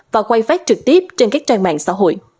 và quay phát trực tiếp trên các trang mạng xã hội